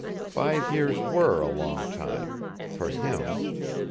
Five years were a long time FOR HIM.